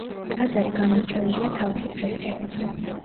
ტაძარი გამორჩეულია თავისი ფრესკებით.